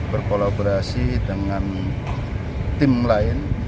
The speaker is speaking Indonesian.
berkolaborasi dengan tim lain